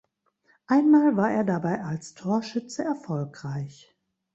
Ein Mal war er dabei als Torschütze erfolgreich.